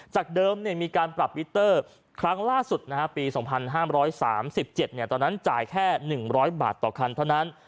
จากเดิมมีการปรับมิเตอร์ครั้งล่าสุดปี๒๕๓๗ตอนนั้นจ่ายแค่๑๐๐บาทต่อคันเท่านั้น